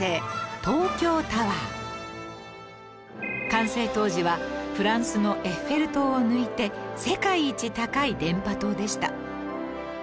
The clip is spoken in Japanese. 完成当時はフランスのエッフェル塔を抜いて世界一高い電波塔でした